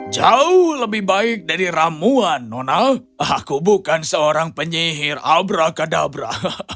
jauh lebih baik dari ramuan nona aku bukan seorang penyihir abrakadabra